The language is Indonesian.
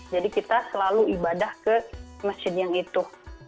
jadi kita selalu ibadah ke masjid yang itu